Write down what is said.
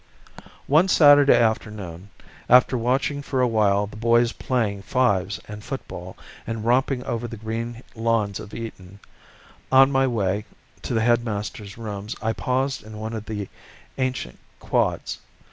One Saturday afternoon, after watching for a while the boys playing fives and football and romping over the green lawns at Eton, on my way to the head master's rooms I paused in one of the ancient quads.